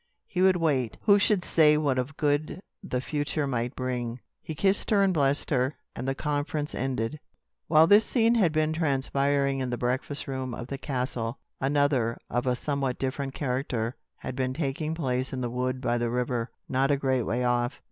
He would wait. Who should say what of good the future might bring? He kissed her and blessed her, and the conference ended. While this scene had been transpiring in the breakfast room of the castle, another, of a somewhat different character, had been taking place in the wood by the river, not a great way off.